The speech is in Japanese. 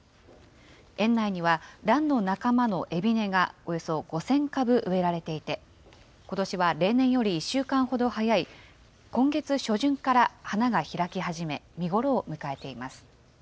園内にはランの仲間のエビネがおよそ５０００株植えられていて、ことしは例年より１週間ほど早い今月初旬から花が開き始め、見頃を迎えています。